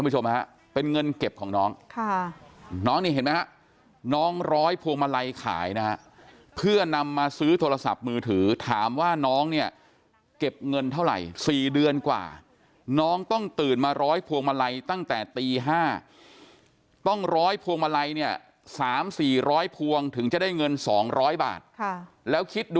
จนเก็บเงินได้คือที่ซื้อเนี่ย๘๐๐๐แต่แม่ให้๓๐๐๐